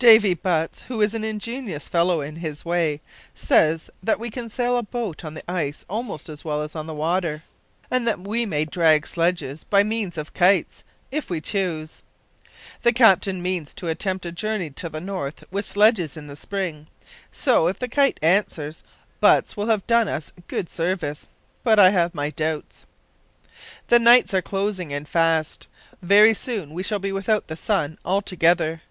"Davy Butts, who is an ingenious fellow in his way, says that we can sail a boat on the ice almost as well as on the water, and that we may drag sledges by means of kites, if we choose. The captain means to attempt a journey to the north with sledges in spring, so, if the kites answer, Butts will have done us good service. But I have my doubts. "The nights are closing in fast; very soon we shall be without the sun altogether.